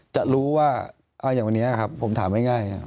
จะรู้ว่าอย่างวันนี้ครับผมถามง่าย